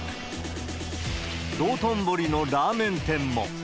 道頓堀のラーメン店も。